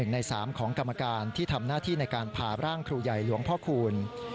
ใน๓ของกรรมการที่ทำหน้าที่ในการผ่าร่างครูใหญ่หลวงพ่อคูณ